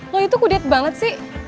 wah itu kudet banget sih